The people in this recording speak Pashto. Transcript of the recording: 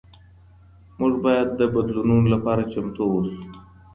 موږ باید د بدلونونو لپاره چمتو اوسو.